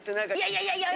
いやいやいや！